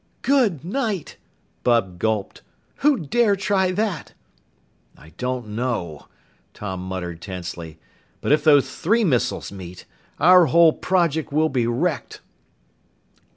"Good night!" Bud gulped. "Who'd dare try that?" "I don't know," Tom muttered tensely. "But if those three missiles meet, our whole project will be wrecked!"